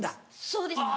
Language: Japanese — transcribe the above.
そうですね。